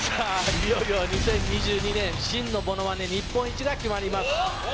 いよいよ２０２２年真のものまね日本一が決まります。